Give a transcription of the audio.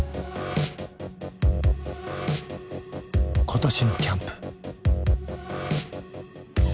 今年のキャンプ。